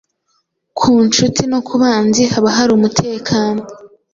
ku ncuti no ku banzi, haba hari umutekano